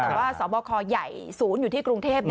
แต่ว่าสบคใหญ่ศูนย์อยู่ที่กรุงเทพ